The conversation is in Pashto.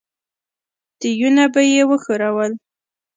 تيونه به يې وښورول.